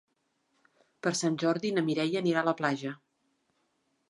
Per Sant Jordi na Mireia anirà a la platja.